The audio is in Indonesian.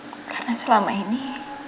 karena selama ini